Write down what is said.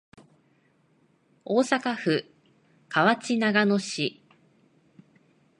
大阪府河内長野市